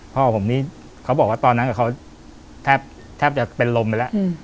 พ่อผมนี่เขาบอกว่าตอนนั้นเขาแทบจะเป็นลมไปแล้ว